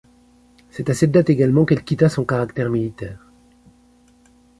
C’est à cette date également qu’elle quitta son caractère militaire.